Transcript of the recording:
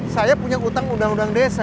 saya punya utang undang undang desa